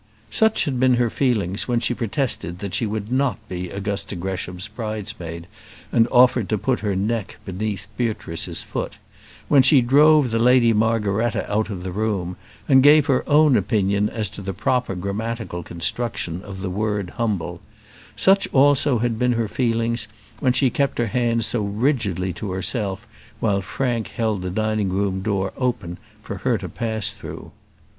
Such had been her feelings when she protested that she would not be Augusta Gresham's bridesmaid, and offered to put her neck beneath Beatrice's foot; when she drove the Lady Margaretta out of the room, and gave her own opinion as to the proper grammatical construction of the word humble; such also had been her feelings when she kept her hand so rigidly to herself while Frank held the dining room door open for her to pass through.